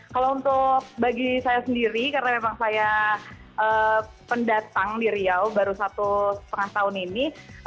kalau untuk bagi saya sendiri karena memang saya pendatang di riau baru satu setengah tahun ini